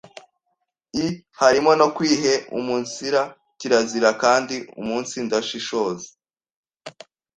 i harimo no kwiheumunsira. Kirazira kandi umunsidashishoza